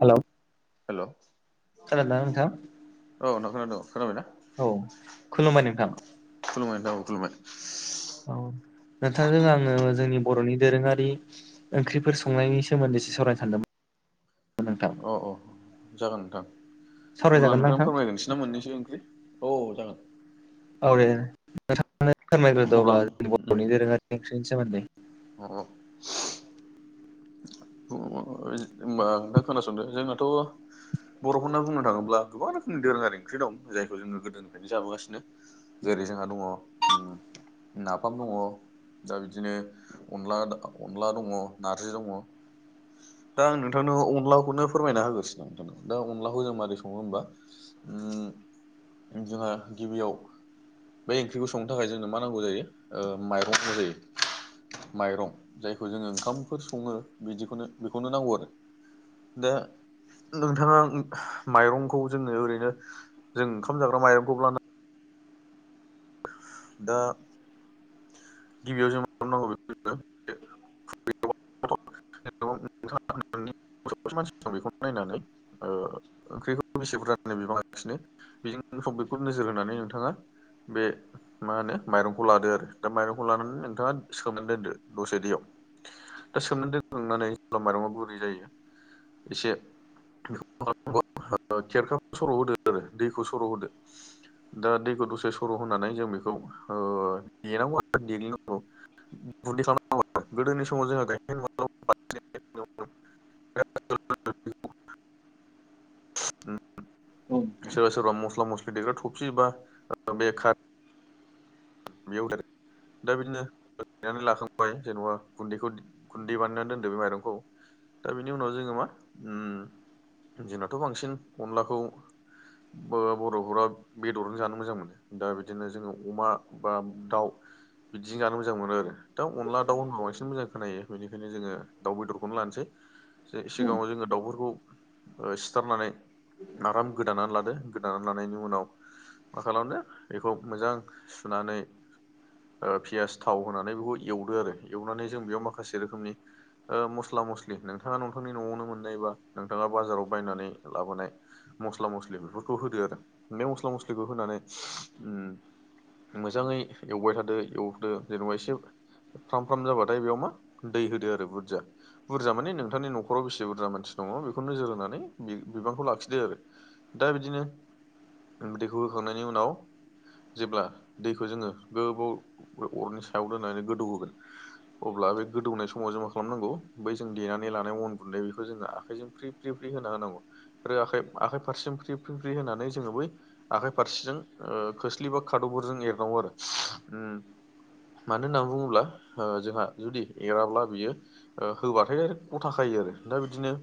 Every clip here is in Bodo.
हेलौ हेल' खोनादोंना नोंथां? औ नोंथां खोनादों खोनाबाय ना औ खुलुमबाय नोंथां खुलुमबाय नोंथां औ खुलुमबाय औ नोंथांजों आङो जोंनि बरनि दोरोङारि ओंख्रिफोर संनायनि सोमोन्दैसो सावरायनो सानदोंमोन नोंथां अ अ जागोन नोंथां अब्ला सावरायजागोन ना नोंथां फोरमायग्रोनोसै ना मोननैसो ओंख्रि औ जागोन औ दे नोंथांआनो फोरमायग्रोदो अब्ला आं जोंनि उम बरनि दोरोङारि ओंख्रिनि सोमोन्दै अ अ अ नोंथाङा खोनासंदो जोंनाथ बर'फोरना बुंनो थाङोब्ला गोबां रोखोमनि दोरोङारि ओंख्रि दं जायखौ जोङो गोदोनिफ्रायनो जाबोगासिनो। जेरै जोंहा दङ। नाफाम दङ दा बिदिनो अनला अनला दङ नारजि दङ। दा आं नोंथांनो अनलाखौनो फोरमायना [unintelligible] आं नोंथांनो दा अनलाखौ जों मारै सङो होमबा ओ जोंहा गिबियाव बे ओंख्रिखौ संनो थाखाय जोंनो मा नांगौ जायो माइरं नांगौ जायो। माइरं जायखौ जोङो ओंखामफोर सङो बिदिखौनो बेखौनो नांगौ आरो। दा नोंथाङा माइरंखौ जोङो ओरैनो जों ओंखाम जाग्रा माइरंखौ दा। गिबियाव जों मा खालामनांगौ बे। [inaudible] मानसि दं बेखौ नायनानै ओ ओंख्रिखौ बेसे बुरजानो बिबां लासिनो बेजों समपिखौ नोजोर होनानै नोंथाङा बे। मा होनो माइरंखौ लादो आरो दा माइरंखौ लानानै नोंथाङा सोमनानै दोनदो दसे दैयाव। दा सोमनानै दोनखांनानै जेब्ला माइरंआ गुरै जायो एसे। बेखौ मा खेरखाखौ सर' होदो आरो दैखौ सर' होदो। दा दैखौ दसे सर' होनानै जों बेखौ ओ देनांगौ आरो देग्लिनांगौ। गुन्दै खालामनांगौ गोदोनि समाव जोंहा सोरबा सोरबा मस्ला मस्लि देग्रा थफिबा बेखार बेउदार दा बिदिनो नानै लाखांबाय जेन'बा गुन्दैखौ गुन्दै बानायनानै दोनदो बे माइरंखौ। दा बेनि उनाव जोङो मा ओ जोंनाथ' बांसिन अनलाखौ [unintelligible] बर'फोरा बेदरनो जानो मोजां मोनो दा बिदिनो जोङो अमा बा दाउ बिदि जानो मोजां मोनो आरो। दा अनला दाउ होनबा बांसिन मोजां खोनायो बेनिखायनो जोङो दाउ बेदरखौनो लानसै। जे सिगाङाव जोङो दाउफोरखौ ओ सिथारनानै। आराम गोदानानै लादो गोदानानै लानायनि उनाव मा खालामदो बेखौ मोजां। सुनानै ओ पियास थाव होनानै बेखौ एवदो आरो एवनानै जों बेयाव माखासे रोखोमनि ओ मस्ला मस्लि नोंथाङा नोंथांनि न'आवनो मोननायबा नोंथाङा बाजाराव बायनानै लाबोनाय। मस्ला मस्लि बेफोरखौ होदो आरो बे मस्ला मस्लिखौ होनानै उम मोजाङै एवबाय थादो एवदो जेनेबा एसे। फ्राम फ्राम जाबाथाय बेयाव मा दै होदो आरो बुरजा। बुरजा माने नोंथांनि न'खराव बेसे बुरजा मानसि दङ बेखौ नोजोर होनानै बिबांखौ लाखिदो आरो दा बिदिनो दैखौ होखांनायनि उनाव जेब्ला दैखौ जोङो गोबाव अरनि सायाव दोननानै गोदौ होगोन। अब्ला बे गोदौनाय समाव जों मा खालामनांगौ बै जों देनानै लानाय अन गुन्दै बेखौ जोङो आखाइजों फ्रि। फ्रि फ्रि होना होनांगौ आरो आखाइ आखाइ फारसेजों फ्रि फ्रि होनानै जोङो बै। आखाइ फारसेजों ओ खोस्लि बा खादौफोरजों एरनांगौ आरो उम। मानो होननानै बुङोब्ला ओ जोंहा जुदि एराब्ला बियो ओ होबाथाय आरो गथा खायो आरो दा बिदिनो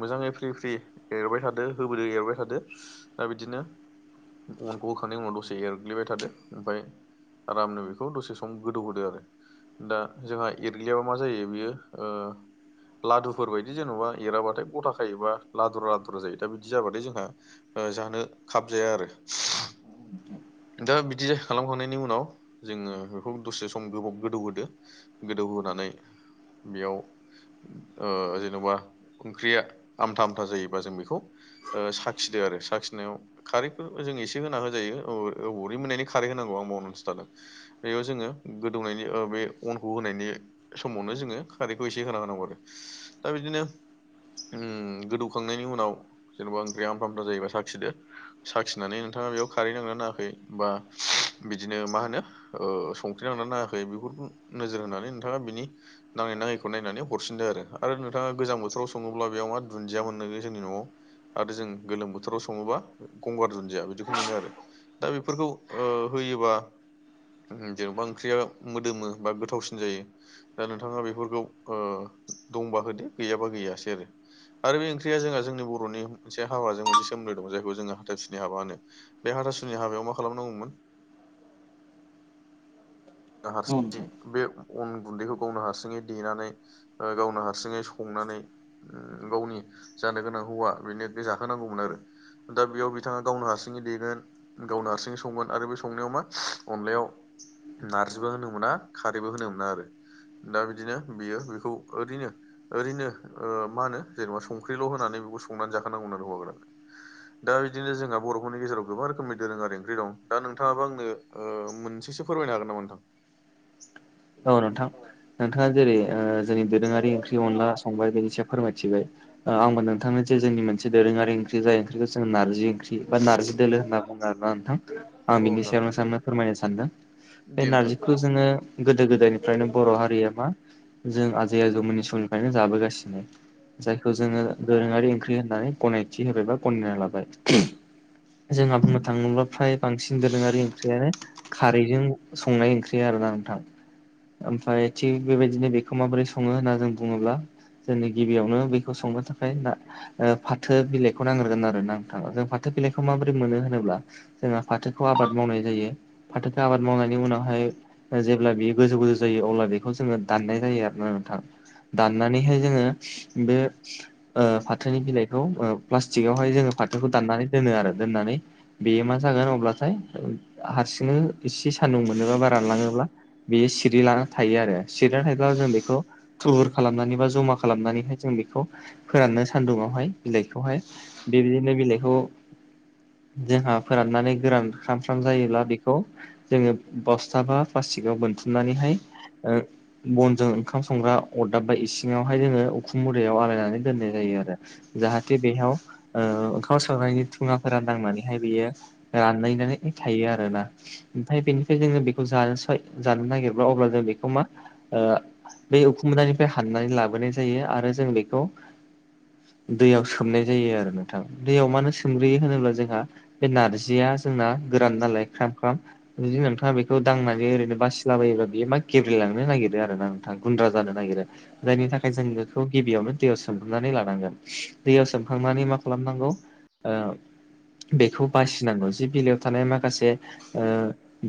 मोजाङै फ्रि फ्रि एरबाय थादो होबोदो एरबाय थादो दा बिदिनो अनखौ होखांनायनि उनाव दसे एरग्लिबाय थादो। ओमफाय आरामनो बेखौ दसे सम गोदौहोदो आरो। दा जोंहा एरग्लियाबा मा जायो बेयो ओ लादुफोर बायदि जेन'बा एराबाथाय गथा खायोबा लादुरा लादुरा जायो दा बिदि जाबाथाय जोंहा ओ जानो खाब जाया आरो। नोथ दा बिदि खालामखांनायनि उनाव जोङो बेखौ दसे सम गोबाव गोदौ होदो। गोदौहोनानै बेयाव ओ जेन'बा ओंख्रिया आमथा आमथा जायोबा जों बेखौ ओ साखिदो आरो साखिनायाव खारैखौ जों एसे होना होजायो औ [unintelligible] मोननायनि खारै होनांगौ आं बावनानैसो थादों बेयाव जोङो गोदौनायनि ओ बे अनखौ होनायनि समावनो जोङो खारैखौ एसे होना होनांगौ आरो दा बिदिनो उम गोदौखांनायनि उनाव जेन'बा ओंख्रिया आमथ आमथा जायोबा साखिदो। साखिनानै नोंथाङा बेयाव खारै नांना नाङाखै बा बिदिनो मा होनो ओ संख्रि नादोंना नाङाखै बेफोरखौ नोजोर होनानै नोंथाङा बिनि नाङै नाङैखौ नायनानै हरफिनदो आरो नोंथाङा गोजां बोथोराव सङोब्ला बेयाव मा दुन्दिया मोनो जोंनि न'आव आरो जों गोलोम बोथोराव सङोबा गंगार दुन्दिया बिदिखौ मोनो आरो दा बेफोरखौ ओ होयोबा जेन'बा ओंख्रिया मोदोमो बा गोथावसिन जायो दा नोंथाङा बेफोरखौ ओ दंबा होदो गैयाबा गैयासै आरो आरो बे ओंख्रिया जोंहा जोंनि बर'नि मोनसे हाबाजोंसे सोमोन्दो दं जायखौ जोङो हाथाइ सुनि हाबा होनो बे हाथासुनि हाबायाव मा खालामनांगौमोन [unintelligible] बे अन गुन्दैखौ गावनो हारसिङै देनानै गावनो ओ हारसिङै संनानै गावनि जानो गोनां हौवा बेनो जाहोनांगौमोन आरो दा बेयाव बिथाङा गावनो हारसिङै देगोन गावनो हारसिङै संगोन आरो बे संनायाव मा अनलायाव नारजिबो होनो मोना खारैबो होनो मोना आरो दा बिदिनो बियो बेखौ ओरैनो ओरैनो ओ मा होनो जेनेबा संख्रिल' होनानै बेखौ संनानै जाखानांगौ आरो हौवाफोरा दा बिदिनो जोंहा बर'फोरनि गेजेराव गोबां रोखोमनि दोरोङारि ओंख्रि दं दा नोंथाङाबो आंनो ओ मोनसेसो फोरमायनो हागोन नामा नोंथां औ नोंथां नोंथाङा जेरै ओ जोंनि दोरोङारि ओंख्रि अनला संबाय बिनि सायाव फोरमायथिबाय ओ आंबो नोंथांनि जोंनि मोनसे दोरोङारि ओंख्रि जाय ओंख्रिखौ जों नारजि ओंख्रि बा नारजि दोलो होनना बुङो आरोना नों थां आं औ बिनि नोंथां सायावनो नोंथांनो फोरमायनो सानदों बे दे नोंथां नारजिखौ जोङो गोदो गोदायनिफ्रायनो बर' हारिया मा जों आजै आजौमोननि समनिफ्रायनो जाबोगासिनो जायखौ जोङो दोरोङारि ओंख्रि होननानै गनायथि होबाय बा गनायना लाबाय जोंहा बुंनो थाङोब्ला फ्राय बांसिन दोरोङारि ओंख्रियानो खारैजों संनाय ओंख्रि आरोना नोंथां ओमफ्राय थिग बेबायदिनो बेखौ माबोरै सङो होनना जों बुङोब्ला जोंनि गिबियावनो बेखौ संनो थाखाय दा ओ फाथो बिलाइखौ नांग्रोगोन आरो ना नोंथां जों फाथो बिलाइखौ माबोरै मोनो होनोब्ला जोंहा फाथोखौ आबाद मावनाय जायो फाथोखौ आबाद मावनायनि उनावहाय जे ब्ला बेयो गोजौ गोजौ जायो अब्ला बेखौ जोङो दाननाय जायो आरोना नोंथां दानना नैहाय जोङो बे ओ फाथोनि बिलाइखौ प्लास्टिकआवहाय जोङो फाथोखौ दाननानै दोनो आरो दोननानै बेयो मा जागोन अब्लाथाय हारसिंनो एसे सान्दुं मोनोबा बा रानलाङोब्ला बेयो सिरि लाना थायो आरो सिरिनानै थायोब्ला जों बेखौ थुबुर खालामनानै बा जमा खालामनानैहाय जों बेखौ फोराननो सान्दुंआवहाय बिलाइखौहाय बेबायदिनो बिलाइखौ जोंहा फोराननानै गोरान ख्राम ख्राम जायोब्ला बेखौ जोङो बस्था बा प्लास्टिकआव बोनथुमनानैहाय ओ बनजों ओंखाम संग्रा अरदाब बा इसिङावहाय जोङो उखुम मुदायाव आलायनानै दोननाय जायो आरो जाहाथे बेयाव ओ ओंखाम संनायनि थुङाफोरा नांनानैहाय बेयो रानलायनानै थायो आरोना ओमफ्राय बेनिफ्राय जोङो बेखौ जानो सय जानो नागिरब्ला अब्ला जों बेखौ मा बे उखुम मुदानिफ्राय हाननानै लाबोनाय जायो आरो जों बेखौ दैयाव सोमनाय जायो आरो नोंथां दैयाव मानो सोमग्रोयो होनोब्ला जोंहा बे नारजिया जोंना गोरान नालाय ख्राम ख्राम जुदि नोंथाङा बेखौ दांनानै ओरैनो बयनिबो बिमान गेब्रेलांनो नागिरो आरो ना नोंथां गुन्द्रा जानो नागिरो जायनि थाखाय जों बेखौ गिबियावनो दैयाव सोमनानै लानांगोन दैयाव सोमखांनानै मा खालामनांगौ ओ बेखौ बासिनांगौ जि बिलाइयाव थानाय माखासे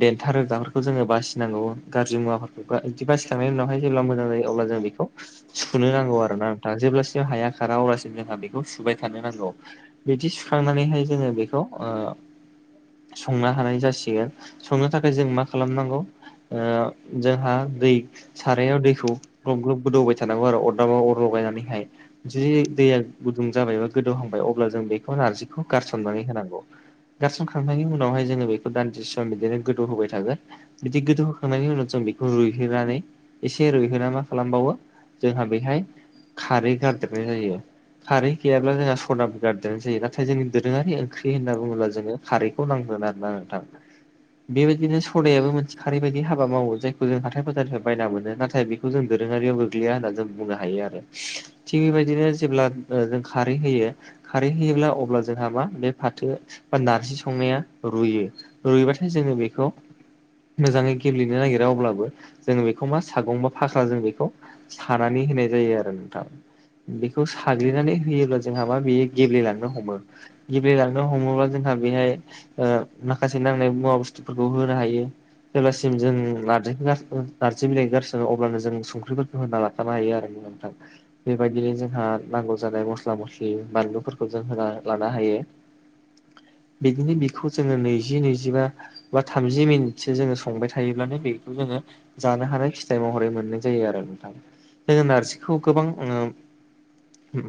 देन्था रोदाफोरखौ जोङो बासि फिनांगौ गाज्रि मुवाफोरखौ बिदि बासिखांनायनि उनावाय जेब्ला मोजां जायो अब्ला जों बेखौ सुनो नांगौ आरो ना नोंथाङा जेब्लासिम हाया खारा जोंहा बेखौ सुबाय थानो नांगौ। बिदि सुखांनानैहाय जोङो बेखौ संनो हानाय जासिगोन संनो थाखाय जों मा खालामनांगौ ओ जोंहा दै सारायाव दैखौ ग्लब ग्लब गोदौबाय थानांगौ आरो अरदाबा अर लगायनानैहाय जुदि दैया गुदुं जाबाय बा गोदौहांबाय अब्ला जों बेखौ नारजिखौ गारसननानै होनांगौ। गारसनखांनायनि उनावहाय जोङो बेखौ दान्दि सम बिदिनो गोदौ होबाय थागोन। बिदि गोदौ होखांनायनि उनाव जों बेखौ रुइहोनानै एसे रुइहोना मा खालामबावो जोंहा बेैहाय खारै गारदेरनाय जायो। खारै गैयाब्ला जोंहा सदाबो गारदेरनाय जायो। नाथाय जोंनि दोरोङारि ओंख्रि होनना बुङोब्ला जों खारैखौ नांगोन आरोना नोंथां। बेबायदिनो सदायाबो मोनसे खारै बायदि हाबा मावो जायखौ जों हाथाय बाजारनिफ्राय बायना मोनो नाथाय बेखौ जों दोरोङारियाव गोग्लैया होननानै जों बुंनो हायो आरो। थिग बेबायदिनो जेब्ला जों खारै होयो खारै होयोब्ला अब्ला जोंहा मा बे फाथो बा नारजि संनाया रुयो रुइबाथाय जोङो बेखौ मोजाङै गेब्लेनो नागिरा अब्लाबो जोङो बेखौ मा सागं बा फाख्रा जों बेखौ सानानै होनाय जायो आरो नोंथां। बेखौ साग्लिनानै होयोब्ला जोंहा मा बेयो गेब्लेलांनो हमो गेब्लेलांनो हमोब्ला जोंहा बेहाय ओ माखासे नांनाय मुवा बुस्थुफोरखौ होनो हायो। जेब्लासिम जों नारजि नारजि बिलाइ गारसोङो अब्लानो जों संख्रिफोरखौ होनना लाखानो हायो आरो‌। नोंथां। बेबायदिनो जोंहा नांगौ जानाय मस्ला मस्लि बानलुफोरखौ जों होना लानो हायो। बिदिनो बिखौ जोङो नैजि नैजिबा बा थामजि मिनिट एसे जोङो संबाय थायोब्लानो बेखौ जोङो जानो हानाय फिथाइ महरै मोननाय जायो आरो नोंथां। जोङो नारजिखौ गोबां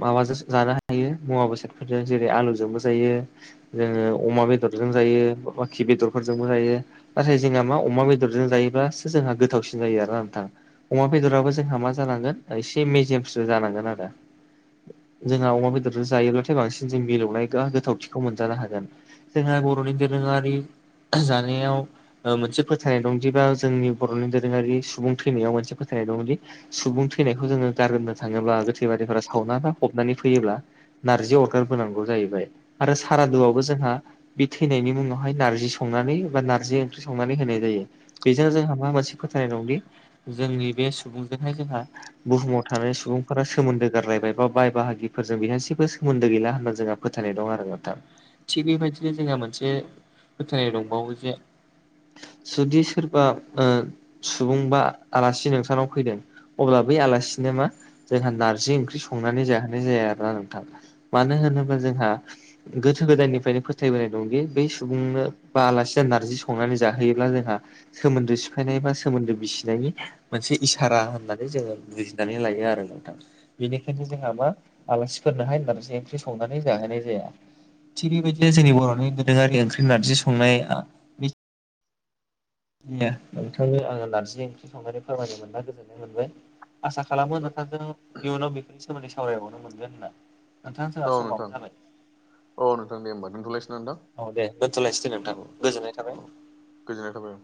माबाजों जानो हायो मुवा बेसादफोरजों जेरै आलुजोंबो जायो। जोङो अमा बेदरजों जायो बाखि बेदरफोरजोंबो जायो। नाथाय जोंहा मा अमा बेदरजों जायोब्लासो जोंहा गोथावसिन जायो आर ना नोंथां। अमा बेदराबो जोंहा मा जानांगोन एसे मेजेमसो जानांगोन आरो। जोंहा अमा बेदरजों जायोब्लाथाय बांसिन जों मिलौनाय गोथावथिखौ मोनजानो हागोन। जोंहा बर'नि दोरोङारि जानायाव मोनसे फोथायनाय दंदि बा जोंनि बर'नि दोरोङारि सुबुं थैनायाव मोनसे फोथायनाय दंङोदि सुबुं थैनायखौ जोङो गारगोननो थाङोब्ला गोथै बारिफोरा सावना बा फबनानै फैयोब्ला नार्जि अरगार बोनांगौ जाहैबाय आरो सारादुआवबो जोंहा बे थैनायनि उनावहाय नारजि संनानै बा नारजि ओंख्रि संनानै होनाय जायो। बेजोंनो जोंहा मा मोनसे फोथायानाय दंदि जोंनि बे सुबुंजोंहाय जोंहा बुहुमाव थानाय सुबुंफोरा सोमोन्दो गारलायबाय बा बाय बाहागिफोरजों बिहा एसेबो सोमोन्दो गैला होनना जोंहा फोथायनाय दं आरो नोंथां थिग बेबायदिनो जोंहा मोनसे फोथायनाय दंबावो जे जुदि सोरबा ओ सुबुं बा आलासि नोंसोराव फैदों अब्ला बै आलासिनो मा जोंहा नारजि ओंख्रि संनानै जाहोनाय जाया आरोना नोंथां। मानो होनोब्ला जोंहा गोथो गोदाननिफ्रायनो फोथायबोनाय दंदि बेै सुबुंनो बा आलासिया नारजि संनानै जाहोयोब्ला जोंहा सोमोन्दो सिफायनाय बा सोमोन्दो बिसिनायनि मोनसे इसारा होननानै जोङो बुजिनानै लायो आरो नोंथां। बेनिखायनो जोंहा मा आलासिफोरनोहाय नरजि ओंख्रि संनानै जाहोनाय जाया। थिग बेबायदिनो जोंनि बर'नि दोरोङारि ओंख्रि नारजि संनाया नोंथांनो आङो नारजि ओंख्रि संनानै फोरमायनो मोनना गोजोननाय मोनबाय। आसा खालामो नोंथांजों इयुनाव बेफोरनि सोमोन्दै सावरायबावनो मोनगोन होनना नोंथां जोंहा औ समाब नोंथां जाबाय। औ नोंथां दे होमबा दोनथ'लायसिनो औ दे दोनथ'लायसै दे नोंथां नोंथां औ गोजोननाय थाबाय औ। गोजोन्नाय थाबाय।